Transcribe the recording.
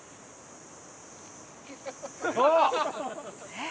えっ。